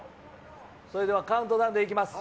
それではカウントダウンでいきます。